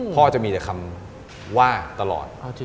พ่อจะมีแต่คำว่าตลอด